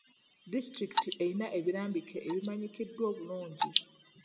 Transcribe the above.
Disitulikiti eyina ebirambike ebimanyikiddwa obulungi.